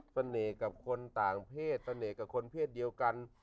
เสน่ห์กับคนต่างเพศเสน่ห์กับคนเพศเดียวกัน